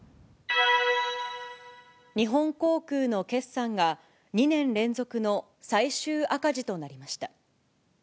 日本航空の決算が、２年連続の最終赤字となりました。